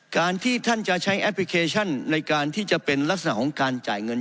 การที่ท่านจะใช้แอปพลิเคชันในการที่จะเป็นลักษณะของการจ่ายเงิน